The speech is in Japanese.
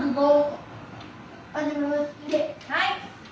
はい。